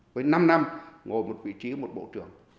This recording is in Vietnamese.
với năm năm ngồi một vị trí một bộ trưởng